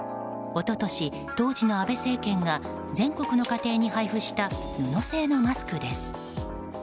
一昨年、当時の安倍政権が全国の家庭に配布した布製のマスクです。